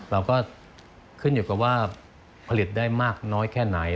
เราก็ขึ้นอยู่กับว่าผลิตได้มากน้อยแค่ไหน